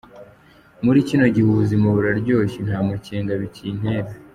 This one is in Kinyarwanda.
"Muri kino gihe ubuzima buraryoshe, nta makenga bikintera.